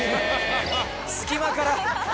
隙間から。